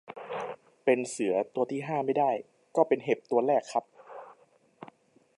เป็นเสือตัวที่ห้าไม่ได้ ก็เป็นเห็บตัวแรกครับ